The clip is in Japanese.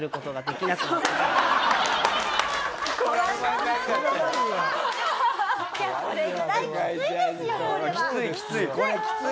きついきつい。